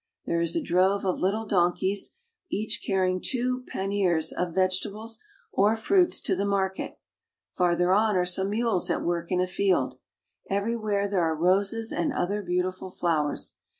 There is a drove of little donkeys, each carrying two pan niers of vegetables or fruits to the market. Farther on are some mules at work in a field. Everywhere there are roses and other beautiful flowers.